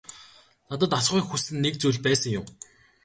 Надад асуухыг хүссэн нэг зүйл байсан юм.